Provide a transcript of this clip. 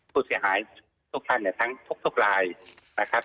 ผู้เสียหายทุกท่านทุกรายนะครับ